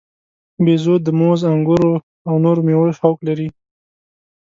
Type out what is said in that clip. بیزو د موز، انګورو او نورو میوو شوق لري.